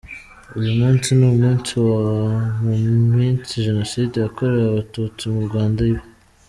Uyu munsi ni umunsi wa mu minsi Jenoside yakorewe Abatutsi mu Rwanda iba.